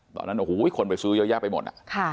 ตอนนั้นคนไปซื้อยากไปหมด